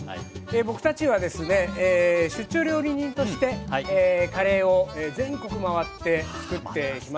僕たちはですね出張料理人としてカレーを全国回ってつくってきました。